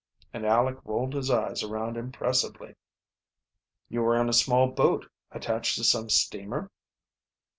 And Aleck rolled his eyes around impressively. "You were in a small boat attached to some steamer?"